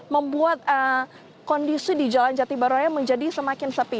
membuat kondisi di jalan jati baru raya menjadi semakin sepi